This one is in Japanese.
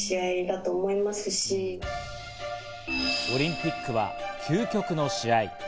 オリンピックは究極の試合。